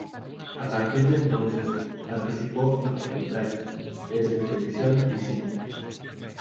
A partir de entonces participó en cortometrajes, series de televisión y cine.